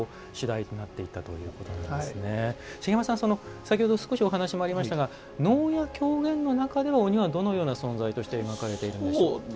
茂山さん、先ほどお話もありましたが能や狂言の中では鬼はどのような存在として描かれているんでしょうか。